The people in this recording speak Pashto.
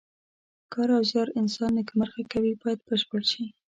کار او زیار انسان نیکمرغه کوي باید بشپړ شي.